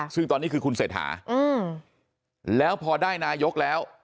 ซึ่งตอนนี้คือคุณเศรษฐาแล้วพอได้นายกแล้ว